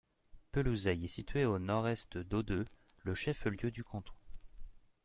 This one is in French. Pelousey est situé à au nord-est d'Audeux, le chef-lieu du canton.